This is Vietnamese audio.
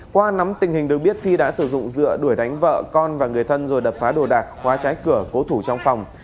qua nắm tình hình được biết phi đã sử dụng dựa đuổi đánh vợ con và người thân rồi đập phá đồ đạc khóa trái cửa cố thủ trong phòng